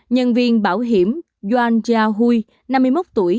nhân viên bảo hiểm yuan xiaohui năm mươi một tuổi